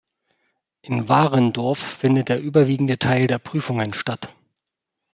In Warendorf findet der überwiegende Teil der Prüfungen statt.